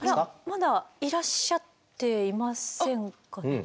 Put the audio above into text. まだいらっしゃっていませんかね？